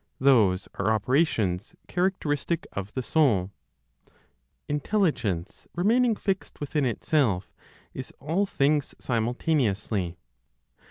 Those are operations characteristic of the soul. Intelligence, remaining fixed within itself, is all things simultaneously.